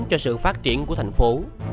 cho sự phát triển của thành phố